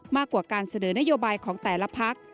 มากกว่าการเสนอนโยบายของแต่ละพัก